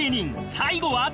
最後は。